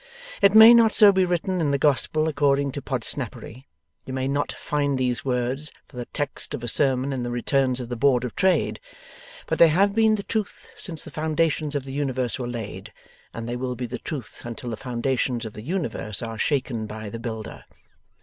It may not be so written in the Gospel according to Podsnappery; you may not 'find these words' for the text of a sermon, in the Returns of the Board of Trade; but they have been the truth since the foundations of the universe were laid, and they will be the truth until the foundations of the universe are shaken by the Builder.